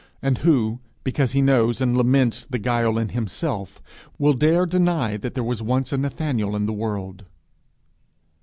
And who, because he knows and laments the guile in himself, will dare deny that there was once a Nathanael in the world?